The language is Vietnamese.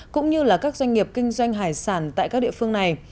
cũng như là các doanh nghiệp kinh doanh hải sản tại các địa phương này